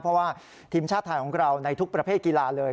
เพราะว่าทีมชาติไทยของเราในทุกประเภทกีฬาเลย